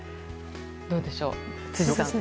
どうでしょう、辻さん。